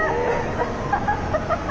アハハハハ。